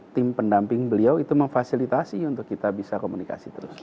tim pendamping beliau itu memfasilitasi untuk kita bisa komunikasi terus